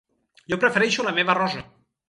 Jo prefereixo la meva rosa.